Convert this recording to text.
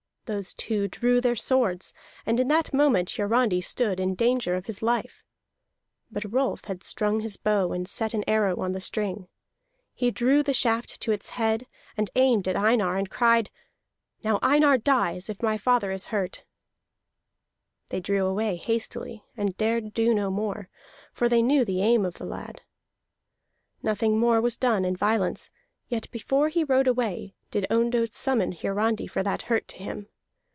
Those two drew their swords, and in that moment Hiarandi stood in danger of his life. But Rolf had strung his bow and set an arrow on the string. He drew the shaft to its head, and aimed at Einar, and cried: "Now Einar dies if my father is hurt!" [Illustration: "'Now Einar dies if my father is hurt'"] They drew away hastily, and dared do no more, for they knew the aim of the lad. Nothing more was done in violence; yet before he rode away did Ondott summon Hiarandi for that hurt to him.